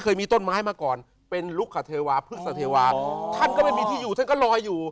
เคยมีต้นไม้มาก่อนเป็นลุกคเทวาพฤษเทวาท่านก็ไม่มีที่อยู่ท่านก็ลอยอยู่